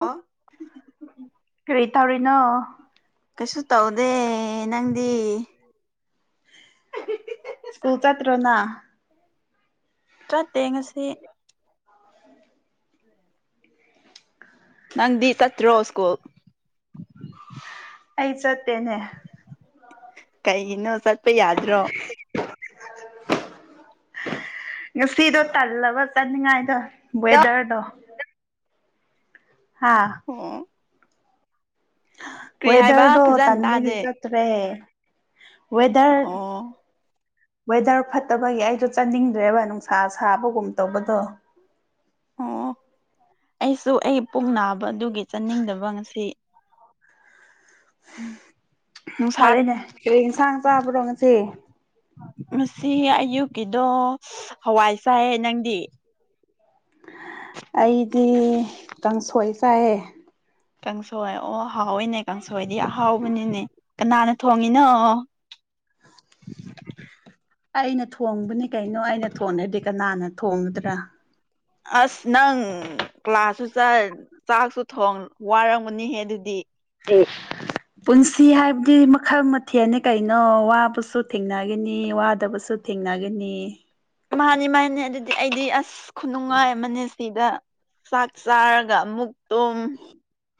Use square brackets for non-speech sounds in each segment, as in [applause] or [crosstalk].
ꯑ ꯇꯥꯔꯤꯅꯣ ꯀꯩꯁꯨ ꯇꯧꯗꯦ ꯅꯪꯗꯤ ꯁ꯭ꯀꯨꯜ ꯆ꯭ꯔꯣꯅꯥ ꯆ ꯊꯦꯡꯉꯁꯤ [unintelligible] ꯅꯪꯗꯤ ꯆꯠꯇ꯭ꯔꯣ ꯁ꯭ꯀꯨꯜ ꯑꯩ ꯆꯠꯇꯦꯅꯦ ꯀꯩꯒꯤꯅꯣ ꯆꯠꯄ ꯌꯥꯗ꯭ꯔꯣ [unintelligible] ꯉꯁꯤꯗꯣ ꯇꯜꯂꯒ ꯆꯟꯅꯤꯡꯉꯥꯏꯗꯣ ꯋꯦꯗꯔꯗꯣ ꯍꯥꯥ ꯑꯣ ꯀ꯭ꯔꯤ ꯍꯥꯏꯕ ꯋꯦꯗꯔꯗꯨ ꯐꯖꯅ ꯇꯟꯒ ꯇꯥꯗꯦ ꯍꯔꯇ꯭ꯔꯦ ꯋꯦꯗꯔ ꯑꯣ ꯋꯦꯗꯔ ꯐꯠꯇꯕꯒꯤ ꯑꯩꯁꯨ ꯆꯥꯅꯤꯡꯗ꯭ꯔꯦꯕ ꯅꯨꯡꯁꯥ ꯁꯥꯕꯒꯨꯝ ꯇꯧꯕꯗꯣ ꯑꯣ ꯑꯩꯁꯨ ꯑꯩ ꯄꯨꯡ ꯅꯥꯕ ꯑꯗꯨꯒꯤ ꯆꯠꯅꯤꯡꯗꯕ ꯉꯁꯤ ꯅꯨꯡꯁꯥ ꯐꯔꯦꯅꯦ ꯀꯔꯤ ꯏꯟꯁꯥꯡ ꯆꯥꯕ꯭ꯔꯣ ꯉꯁꯤꯦ ꯉꯁꯤ ꯑꯌꯨꯛꯀꯤꯗꯣ ꯍꯋꯥꯏ ꯆꯥꯏ ꯅꯪꯗꯤ ꯑꯩꯗꯤ ꯀꯥꯡꯁꯣꯏ ꯆꯥꯏꯑꯦ ꯀꯥꯡꯁꯣꯏ ꯑꯣ ꯍꯥꯎꯋꯏꯅꯦ ꯀꯥꯡꯁꯣꯏꯗꯤ ꯑꯍꯥꯎꯕꯅꯤꯅꯦ ꯀꯅꯥꯅ ꯊꯣꯡꯉꯤꯅꯣ ꯑꯩꯅ ꯊꯣꯡꯕꯅꯤ ꯀꯩꯅꯣ ꯑꯩꯅ ꯊꯣꯡꯉꯗꯤ ꯀꯅꯥꯅ ꯊꯣꯡꯒꯗ꯭ꯔꯥ ꯑꯁ ꯅꯪ ꯀ꯭ꯂꯥꯁꯁꯨ ꯆꯥꯛꯁꯨ ꯊꯣꯡ ꯋꯥꯔꯝꯒꯅꯤꯍꯦ ꯑꯗꯨꯗꯤ [unintelligible] [inaudible] ꯄꯨꯟꯁꯤ ꯍꯥꯏꯕꯗꯤ ꯃꯈꯜ ꯃꯊꯦꯜꯅꯤ ꯀꯩꯅꯣ ꯋꯥꯕꯁꯨ ꯊꯦꯡꯅꯒꯅꯤ ꯋꯥꯗꯕꯁꯨ ꯊꯦꯡꯅꯒꯅꯤ ꯃꯥꯅꯤ ꯃꯥꯅꯤ ꯑꯗꯨꯗꯤ ꯑꯩꯗꯤ ꯑꯁ ꯈꯨꯅꯨꯡꯉꯥꯏ ꯑꯃꯅꯦ ꯁꯤꯗ ꯆꯥꯛ ꯆꯥꯔꯒ ꯑꯃꯨ ꯇꯨꯝ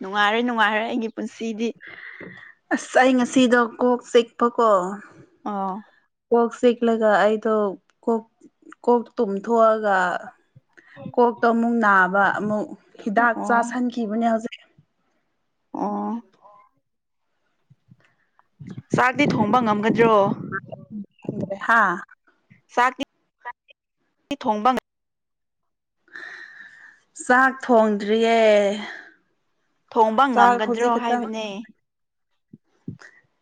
ꯅꯨꯡꯉꯥꯏꯔꯦ ꯅꯨꯡꯉꯥꯏꯔꯦ ꯑꯩꯒꯤ ꯄꯨꯟꯁꯤꯗꯤ ꯑꯁ ꯑꯩ ꯉꯁꯤꯗꯣ ꯀꯣꯛ ꯆꯤꯛꯄ ꯀꯣ ꯑꯥ ꯀꯣꯛ ꯆꯤꯛꯂꯒ ꯑꯩꯗꯣ ꯀꯣꯛ ꯀꯣꯛ ꯇꯨꯝꯊꯣꯛꯑꯒ ꯀꯣꯛꯇꯣ ꯑꯃꯨꯛ ꯅꯥꯕ ꯑꯃꯨꯛ ꯑꯣ ꯍꯤꯗꯥꯛ ꯑꯣ ꯆꯥꯥꯁꯟꯈꯤꯕꯅꯦ ꯍꯧꯖꯤꯛ ꯑꯣ ꯆꯥꯛꯇꯤ ꯊꯣꯡꯕ ꯉꯝ ꯗ꯭ꯔꯣ ꯈꯪꯗ꯭ꯔꯦ ꯍꯥ ꯁꯥꯀꯤ [inaudible] ꯑꯩ ꯊꯣꯡꯕ ꯉ ꯆꯥꯛ ꯊꯣꯡꯗ꯭ꯔꯤꯌꯦ ꯊꯣꯡꯕ ꯆꯥꯛ ꯉꯝꯒꯗ꯭ꯔꯣ ꯍꯧꯖꯤꯛ ꯈꯛꯇꯪ ꯍꯥꯏꯕꯅꯦ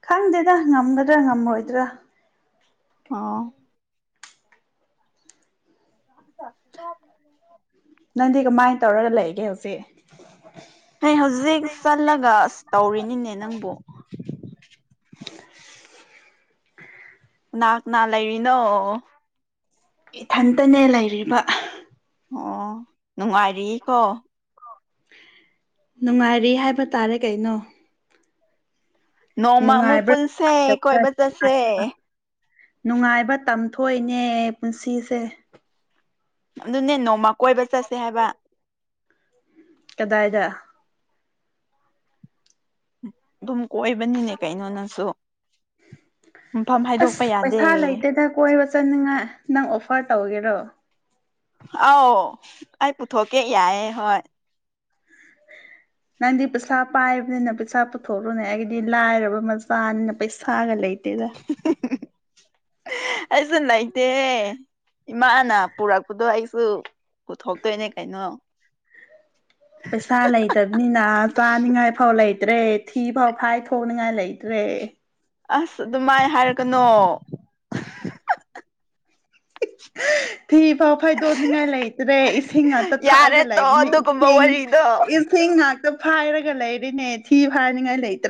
ꯈꯪꯗꯦꯗ ꯉꯝꯒꯗ꯭ꯔꯥ ꯉꯝꯃꯣꯏꯗ꯭ꯔꯥ ꯑꯣꯥ ꯅꯪꯗꯤ ꯀꯃꯥꯏꯅ ꯇꯧꯔꯒ ꯂꯩꯒꯦ ꯍꯧꯖꯤꯛ ꯍ ꯍꯧꯖꯤꯛ ꯆꯠꯂꯒ ꯑꯁ ꯇꯧꯔꯤꯅꯤꯅꯦ ꯅꯪꯕꯨ ꯑꯣ ꯅꯥꯛꯅꯥ ꯂꯩꯔꯤꯅꯣ ꯏꯊꯟꯇꯅꯦ ꯂꯩꯔꯤꯕ ꯑꯣ ꯅꯨꯡꯉꯥꯏꯔꯤꯀꯣ ꯅꯨꯡꯉꯥꯏꯔꯤ ꯍꯥꯏꯕ ꯇꯥꯔꯦ ꯀꯩꯅꯣ ꯅꯣꯡꯃ ꯑꯃꯨꯛ ꯅꯨꯡꯉꯥꯏꯕ꯭ꯔꯥ ꯄꯨꯟꯁꯦ ꯀꯣꯏꯕ ꯆꯠꯁꯦ ꯅꯨꯡꯉꯥꯏꯕ ꯇꯝꯊꯣꯛꯏꯅꯦ ꯄꯨꯟꯁꯤꯁꯦ ꯑꯗꯨꯅꯦ ꯅꯣꯡꯃ ꯀꯣꯏꯕ ꯆꯠꯁꯦ ꯍꯥꯏꯕ ꯀꯗꯥꯏꯗ ꯑꯗꯨꯝ ꯀꯣꯏꯕꯅꯤꯅꯦ ꯀꯩꯅꯣꯅꯁꯨ ꯑꯁ ꯌꯥꯗꯦ ꯄꯩꯁꯥ ꯂꯩꯇꯦꯗ ꯀꯣꯏꯕ ꯆꯠꯅꯤꯡꯉꯥꯏ ꯅꯪ ꯑꯣꯐꯔ ꯇꯧꯒꯦꯔꯣ ꯑꯥꯎ ꯑꯩ ꯄꯨꯊꯣ ꯀꯦ ꯌꯥꯏ ꯍꯣꯏ [unintelligible] [inaudible] ꯅꯪꯗꯤ ꯄꯩꯁꯥ ꯄꯥꯏꯕꯅꯤꯅ ꯄꯩꯁꯥ ꯄꯨꯊꯣꯛꯂꯣꯅꯦ ꯑꯩꯒꯤꯗꯤ ꯂꯥꯏꯔꯕ ꯃꯆꯥꯅꯤꯅ ꯄꯩꯁꯥꯒ ꯂꯩꯇ ꯠꯇꯦꯗ [unintelligible] [inaudible] ꯑꯩꯁ ꯅꯥꯏꯇ ꯏꯃꯥꯅ ꯄꯨꯔꯛꯄꯗꯣ ꯑꯩꯁꯨ ꯄꯨꯊꯣꯛꯇꯣꯏꯅꯦ ꯀꯩꯅꯣ ꯄꯩꯁꯥ ꯂꯩꯇꯕꯅꯤꯅ ꯆꯥꯅꯤꯉꯥꯏ ꯐꯥꯎ ꯂꯩ ꯂꯩꯇ꯭ꯔꯦ ꯊꯤ ꯐꯥꯎ ꯐꯥꯏ ꯊꯣꯡꯅꯤꯡꯉꯥꯏ ꯂꯩꯇ꯭ꯔꯦ ꯑꯁ ꯑꯗꯨꯃꯥꯏ ꯍꯥꯏꯔꯛꯀꯅꯣ ꯐꯤ ꯐꯥꯎ ꯐꯥꯏꯗꯣꯟꯅꯤꯉꯥꯏ ꯂꯩꯇ꯭ꯔꯦ ꯏꯁꯤꯡ ꯉꯥꯛꯇ ꯌꯥꯔꯦ ꯊꯛꯑꯒ ꯇꯣ ꯂꯩꯕꯅꯦ ꯑꯗꯨꯒꯨꯝꯕ ꯏꯁꯤꯡ ꯋꯥꯔꯤꯗꯣ ꯏꯁꯤꯡ ꯞ ꯐꯥꯏꯔꯒ ꯂꯩꯔꯤꯅꯦ ꯊꯤ ꯐꯥꯏꯅꯤꯡꯉꯥꯏ ꯂꯩꯦ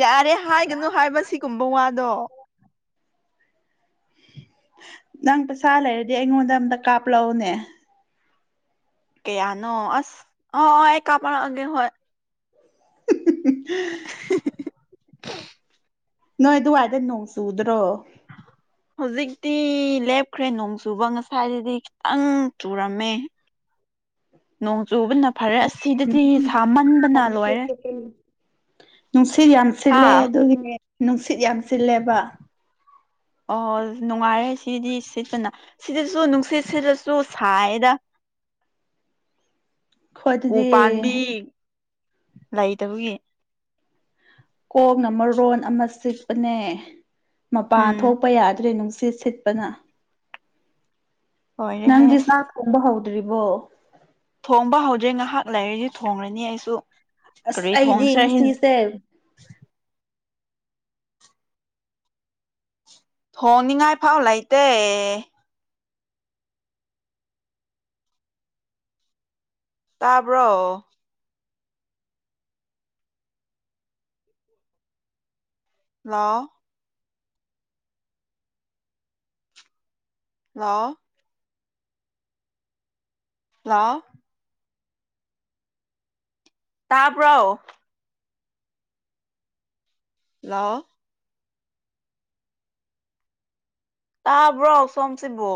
ꯌꯥꯔꯦ ꯍꯥꯏꯒꯅꯨ ꯍꯥꯏꯕ ꯁꯤꯒꯨꯝꯕ ꯋꯥꯗꯣ ꯅꯪ ꯄꯩꯁꯥ ꯂꯩꯔꯗꯤ ꯑꯩꯉꯣꯟꯗ ꯑꯝꯇ ꯀꯥꯞꯂꯛꯎꯅꯦ ꯀꯌꯥꯅꯣ ꯑ ꯑ ꯑꯦꯥꯄ ꯑꯦ ꯍꯣꯏ [inaudible] [unintelligible] [unintelligible] [inaudible] ꯅꯣꯏ ꯑꯗꯨꯋꯥꯏꯗ ꯅꯣꯡ ꯆꯨꯗ꯭ꯔꯣ ꯍꯧꯖꯤꯛꯇꯤ ꯂꯦꯞꯈ꯭ꯔꯦ ꯅꯣꯡ ꯆꯨꯕ ꯉꯁꯥꯏꯗꯗꯤ ꯈꯤꯇꯪ ꯆꯨꯔꯝꯃꯦ [unintelligible] [inaudible] ꯅꯣꯡ ꯆꯨꯕꯅ ꯐꯔꯦ ꯑꯁꯤꯗꯗꯤ ꯁꯥꯃꯟꯕꯅ ꯂꯣꯏꯔꯦ ꯅꯨꯡꯁꯤꯠ ꯌꯥꯝꯁꯤꯜꯂꯦ ꯍꯥ ꯑꯗꯨꯒꯤꯅꯦ ꯅꯨꯡꯁꯤꯠ ꯌꯥꯝ ꯁꯤꯜꯂꯦꯕ ꯑꯣ ꯅꯨꯡꯉꯥꯏꯔꯦ ꯁꯤꯗꯤ ꯁꯤꯠꯄꯅ ꯁꯤꯗꯁꯨ ꯅꯨꯡꯁꯤꯠ ꯁꯤꯗꯁꯨ ꯁꯥꯏꯗ ꯎ ꯑꯩꯈꯣꯏꯗꯗꯤ ꯄꯥꯟꯝꯕꯤ ꯂꯩꯇꯕꯒꯤ ꯀꯣꯛꯅ ꯃꯔꯣꯟ ꯑꯃ ꯆꯤꯛꯄꯅꯦ ꯃꯄꯥꯟ ꯎꯝ ꯊꯣꯛꯄ ꯌꯥꯗ꯭ꯔꯦ ꯅꯨꯡ ꯑꯁꯤ ꯁꯤꯠꯄꯅ ꯂꯣꯏꯔꯦꯍꯦ ꯅꯪꯗꯤ ꯁꯥ ꯑꯁ ꯊꯣꯡꯕ ꯍꯧꯗ꯭ꯔꯤꯕꯣ ꯊꯣꯡꯕ ꯍꯧꯗ꯭ꯔꯦ ꯉꯥꯏꯍꯥꯛ ꯂꯩꯥꯏꯔꯤꯗꯤ ꯊꯣꯡꯉꯅꯤ ꯑꯩꯁꯨ ꯑꯁ ꯀꯔꯤ ꯊ ꯑꯩꯗꯤ ꯍꯣꯡꯁꯍꯤ ꯉꯁꯤꯁꯦ ꯊꯣꯡꯅꯤꯡꯉꯥꯏ ꯐꯥꯎ ꯂꯩꯇꯦ ꯇꯥꯕ꯭ꯔꯣ ꯂ ꯍ ꯂ ꯇꯄ ꯍꯜꯂꯣ ꯇꯥ ꯄꯨ꯭ꯔ ꯑꯣꯁꯝꯁꯤꯕꯣ